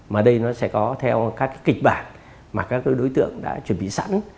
mà đây nó sẽ có theo các kịch bản mà các đối tượng đã chuẩn bị sẵn